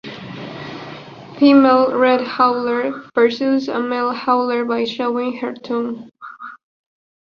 Female red howler pursues a male howler by showing her tongue.